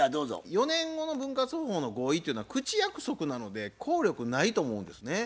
４年後の分割方法の合意っていうのは口約束なので効力ないと思うんですね。